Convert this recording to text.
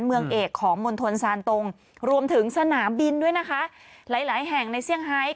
เมืองเอกของมณฑลซานตรงรวมถึงสนามบินด้วยนะคะหลายหลายแห่งในเซี่ยงไฮท